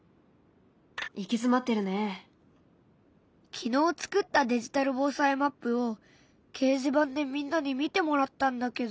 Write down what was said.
昨日作ったデジタル防災マップを掲示板でみんなに見てもらったんだけど。